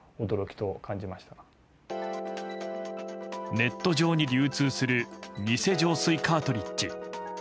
ネット上に流通する偽浄水カートリッジ。